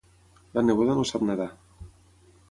La neboda no sap nedar.